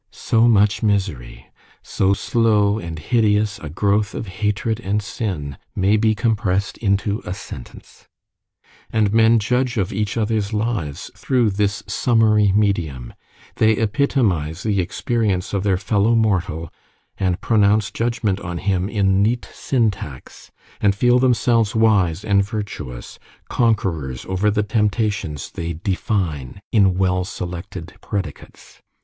So much misery so slow and hideous a growth of hatred and sin, may be compressed into a sentence! And men judge of each other's lives through this summary medium. They epitomize the experience of their fellow mortal, and pronounce judgment on him in neat syntax, and feel themselves wise and virtuous conquerors over the temptations they define in well selected predicates.